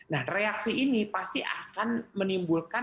nah reaksi ini pasti akan menimbulkan